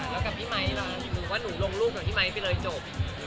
แล้วกับพี่ไมค์หนูว่าหนูลงรูปกับพี่ไมค์ไปเลยจบ